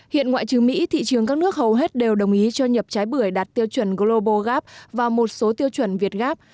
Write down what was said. hiện ngoại trừ mỹ thị trường các nước hầu hết đều đồng ý cho nhập trái bưởi đạt tiêu chuẩn global gap và một số tiêu chuẩn việt gáp